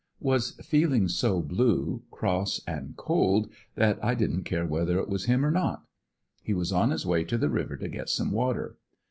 Was feeling so blue, cross and cold that I didn't care w^hether it was him or not. He was on his way to the river to get some water.